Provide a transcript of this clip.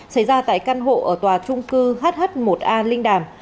xảy ra tại căn hộ ở tòa trung cư hh một a linh đàm